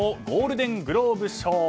ゴールデングローブ賞。